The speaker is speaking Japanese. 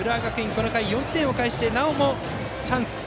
この回、４点を返してなおもチャンス。